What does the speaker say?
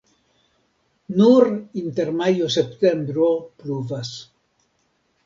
Nur inter majo-septembro pluvas.